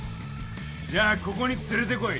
じゃあここに連れてこい。